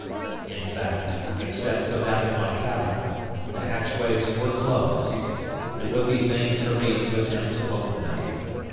In fact, except for that of my cabin, the hatchways were closed; and it would be vain for me to attempt to open them.